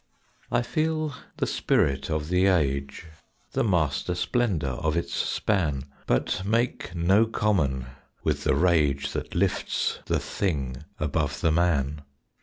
I feel the spirit of the age The master splendor of its span But make no common with the rage That lifts the thing above the man.